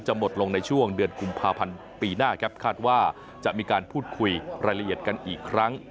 หมดลงในช่วงเดือนกุมภาพันธ์ปีหน้าครับคาดว่าจะมีการพูดคุยรายละเอียดกันอีกครั้ง